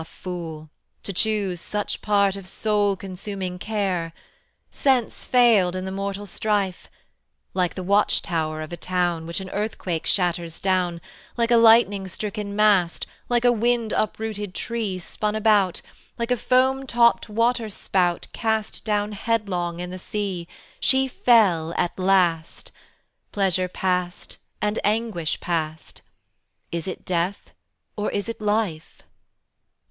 fool, to choose such part Of soul consuming care! Sense failed in the mortal strife: Like the watch tower of a town Which an earthquake shatters down, Like a lightning stricken mast, Like a wind uprooted tree Spun about, Like a foam topped water spout Cast down headlong in the sea, She fell at last; Pleasure past and anguish past, Is it death or is it life?